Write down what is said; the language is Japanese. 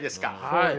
はい。